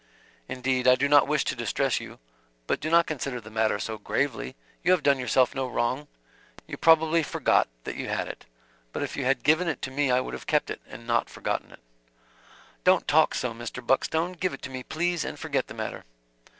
"Indeed I do not wish to distress you. But do not consider the matter so gravely; you have done yourself no wrong. You probably forgot that you had it; but if you had given it to me I would have kept it and not forgotten it." "Do not talk so, Mr. Buckstone. Give it to me, please, and forget the matter."